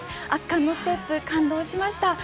圧巻のステップ感動しました。